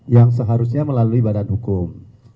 yang seharusnya melalui badan hukum